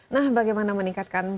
nah bagaimana meningkatkan